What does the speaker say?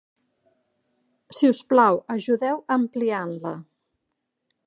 Si us plau, ajudeu ampliant-la.